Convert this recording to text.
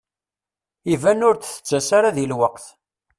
Iban ur d-tettas ara di lweqt.